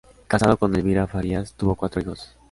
Casado con Elvira Farías, tuvo cuatro hijos.